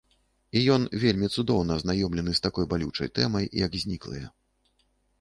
І ён вельмі цудоўна азнаёмлены з такой балючай тэмай, як зніклыя.